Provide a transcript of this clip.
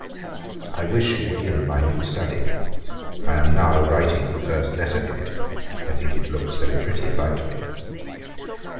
'I wish you were in my new study; I am now writing the first letter in it. I think it looks very pretty about me.